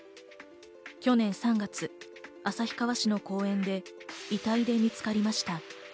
去年３月、旭川市の公園で遺体で見つかりました。